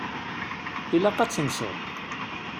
Ilaq ad tenseḍ.